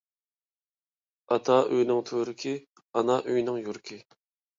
ئاتا ئۆينىڭ تۈۋرۈكى، ئانا ئۆينىڭ يۈرىكى.